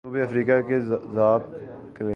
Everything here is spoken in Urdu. جنوب افریقہ کے ژاک کیلس